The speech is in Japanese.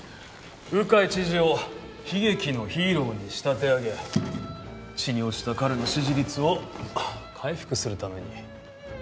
鵜飼知事を悲劇のヒーローに仕立て上げ地に落ちた彼の支持率を回復するために。